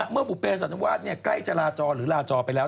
เมื่อบุเปสันนิวาสใกล้จราจรหรือลาจอไปแล้ว